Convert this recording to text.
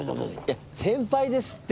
いや先輩ですって。